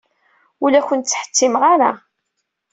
Ur la ken-ttḥettimeɣ ara.